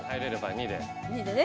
２でね。